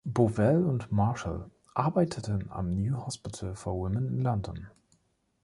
Bovell und Marshall arbeiteten am New Hospital for Women in London.